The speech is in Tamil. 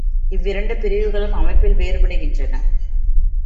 இவ்விரண்டு பிரிவுகளும் அமைப்பில் வேறுபடுகின்றன.